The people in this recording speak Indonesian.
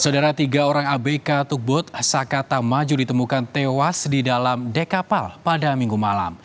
saudara tiga orang abk tugbud sakata maju ditemukan tewas di dalam dek kapal pada minggu malam